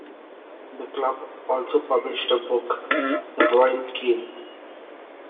The club also published a book, "The Royal Game".